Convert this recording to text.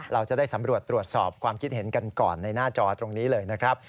เราจะได้สำรวจตรวจสอบความคิดเห็นกันก่อนในหน้าจอตรงนี้เลยนะครับ